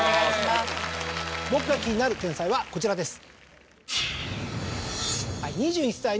僕が気になる天才はこちらです。